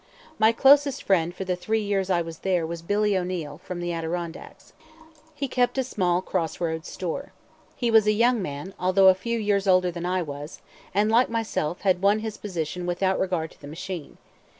My closest friend for the three years I was there was Billy O'Neill, from the Adirondacks. He kept a small crossroads store. He was a young man, although a few years older than I was, and, like myself, had won his position without regard to the machine.